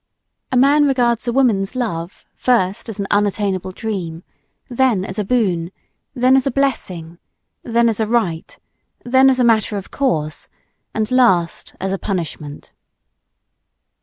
A man regards a woman's love first as an unattainable dream, then as a boon, then as a blessing, then as a right, then as a matter of course and, last, as a punishment.